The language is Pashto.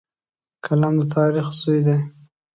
قلم د تاریخ زوی دی